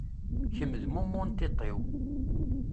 Kem d mummu n tiṭ-iw.